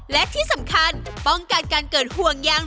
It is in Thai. และที่สำคัญป้องกันการเกิดห่วงยาง